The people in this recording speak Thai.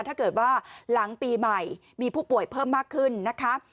ถ้าเกิดว่าหลังปีใหม่มีผู้ป่วยเพิ่มมากขึ้นนะคะ